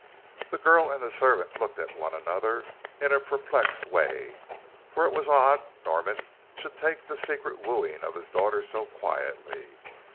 The girl and the servant looked at one another in a perplexed way, for it was odd Norman should take the secret wooing of his daughter so quietly.